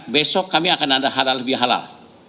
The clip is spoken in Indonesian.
besok kami akan ada halal lebih halal